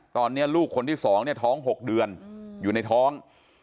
ตอนนี้ลูกคนที่๒เนี่ยท้อง๖เดือนอยู่ในท้อง